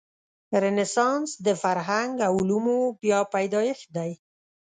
رنسانس د فرهنګ او علومو بیا پیدایښت دی.